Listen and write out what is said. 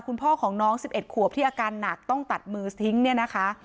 คุณพ่อของน้อง๑๑ขวบที่อาการหนักต้องตัดมือทิ้งเนี่ยนะคะ